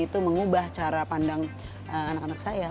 itu mengubah cara pandang anak anak saya